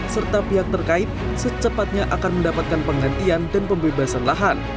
serta pihak terkait secepatnya akan mendapatkan penggantian dan pembebasan lahan